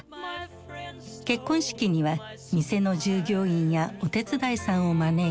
結婚式には店の従業員やお手伝いさんを招いている。